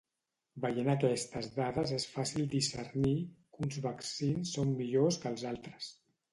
Veient aquestes dades és fàcil discernir que uns vaccins són millors que els altres.